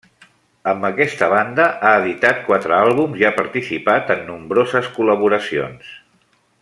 Amb aquesta banda ha editat quatre àlbums i ha participat en nombroses col·laboracions.